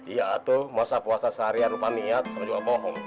iya itu masa puasa seharian lupa niat sama juga bohong